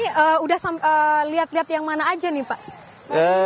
ini udah lihat lihat yang mana aja nih pak